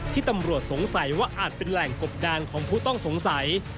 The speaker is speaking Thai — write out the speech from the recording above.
ที่ตำรวจสงสัยว่าอาจเป็นแหล่งกบดานของผู้ต้องสงสัย